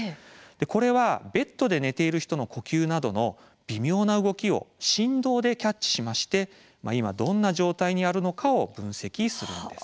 これは、ベッドで寝ている人の呼吸などの微妙な動きを振動でキャッチしまして今、どんな状態にあるかを分析するんです。